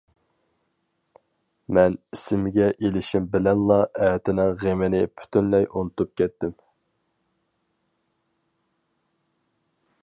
مەن ئېسىمگە ئېلىشىم بىلەنلا ئەتىنىڭ غېمىنى پۈتۈنلەي ئۇنتۇپ كەتتىم.